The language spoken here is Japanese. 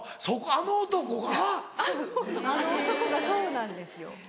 そうあの男がそうなんですよ。